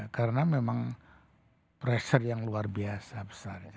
karena memang tekanan yang luar biasa besar